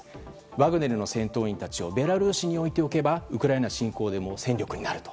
ワグネルの戦闘員たちをベラルーシに置いておけばウクライナ侵攻での戦力になると。